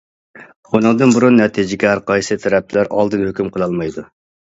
ئۇنىڭدىن بۇرۇن، نەتىجىگە ھەر قايسى تەرەپلەر ئالدىن ھۆكۈم قىلالمايدۇ.